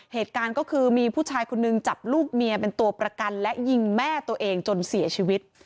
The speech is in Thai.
เหตุการณ์ก็คือมีผู้ชายคนนึงจับลูกเมียเป็นตัวประกันและยิงแม่ตัวเองจนเสียชีวิต